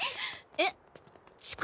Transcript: えっ？